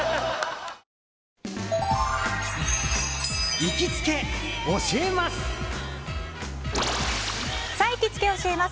行きつけ教えます！